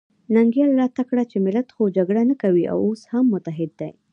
ننګیال راته کړه چې ملت خو جګړه نه کوي او اوس هم متحد دی.